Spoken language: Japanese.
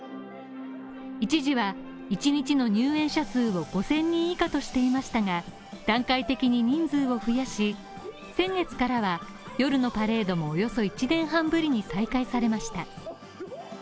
一時は１日の入園者数を５０００人以下としていましたが、段階的に人数を増やし、先月からは、夜のパレードもおよそ１年半ぶりに再開されました。